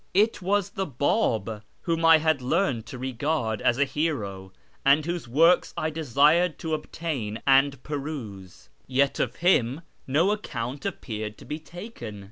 It was the Bab whom I had learned to regard as a hero, and whose works I desired to obtain and peruse, yet of him no account appeared to be taken.